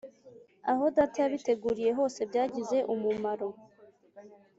aho data yabiteguriye hose byagize umumaro